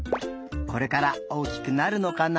これから大きくなるのかな？